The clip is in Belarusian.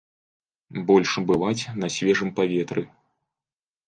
Больш бываць на свежым паветры.